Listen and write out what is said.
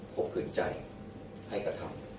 ผมคืนใจให้กระทำ